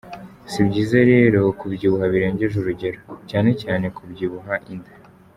Si byiza rero kubyibuha birengeje urugero, cyane cyane kubyibuha inda.